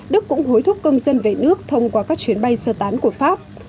đức cũng hối thúc công dân về nước thông qua các chuyến bay sơ tán của pháp